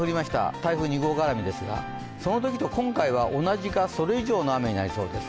台風２号がらみですが、そのときと今回は同じか、それ以上の雨になりそうです。